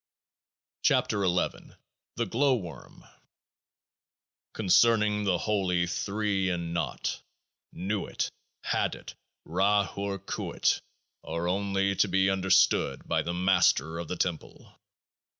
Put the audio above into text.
18 KEOAAH IA THE GLOW WORM Concerning the Holy Three in Naught. Nuit, Hadit, Ra Hoor Khuit, are only to be understood by the Master of the Temple.